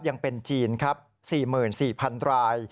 ยังเป็นจีนครับ๔๔๐๐๐ราย